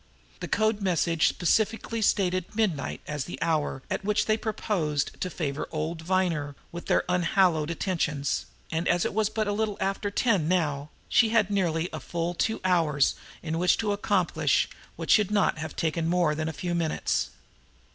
The code message specifically stated midnight as the hour at which they proposed to favor old Viner with their unhallowed attentions, and as it was but a little after ten now, she had nearly a full two hours in which to accomplish what should not take her more than a few minutes.